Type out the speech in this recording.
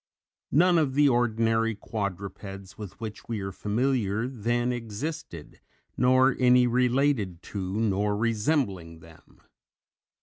None of the ordinary quadrupeds with which we are familiar then existed, nor any related to nor resembling them.